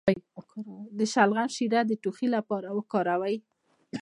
د شلغم شیره د ټوخي لپاره وکاروئ